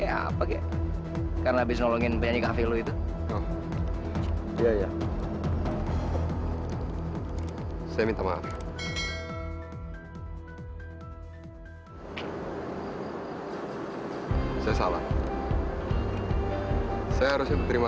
sebagai armedaktik saja tak ada apa apa orang yang bisa merasakannya